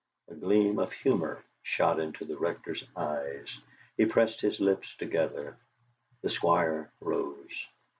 A gleam of humour shot into the Rector's eyes. He pressed his lips together. The Squire rose.